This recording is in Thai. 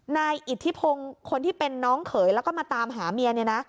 นายอิทธิพงศ์คนที่เป็นน้องเขยแล้วก็มาตามหาเมียเนี่ยนะ